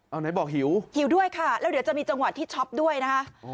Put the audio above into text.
เอาไหนบอกหิวหิวด้วยค่ะแล้วเดี๋ยวจะมีจังหวะที่ช็อปด้วยนะคะ